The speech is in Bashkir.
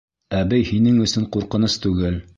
Әбей һинең өсөн ҡурҡыныс түгел.